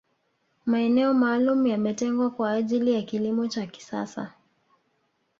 maeneo maalum yametengwa kwa ajili ya kilimo cha kisasa